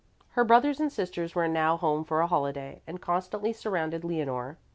Her brothers and sisters were now home for a holiday and constantly surrounded Leonore.